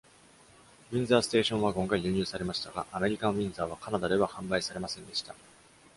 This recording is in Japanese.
ウィンザーステーションワゴンが輸入されましたが、アメリカンウィンザーはカナダでは販売されませんでした。